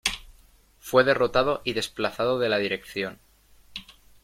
Fue derrotado y desplazado de la dirección.